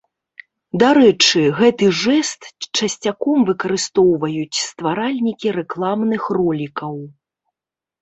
Дарэчы, гэты жэст часцяком выкарыстоўваюць стваральнікі рэкламных ролікаў.